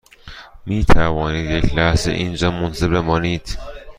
می توانید یک لحظه اینجا منتظر بمانید؟